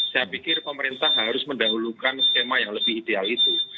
saya pikir pemerintah harus mendahulukan skema yang lebih ideal itu